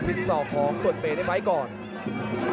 ส่วนหน้านั้นอยู่ที่เลด้านะครับ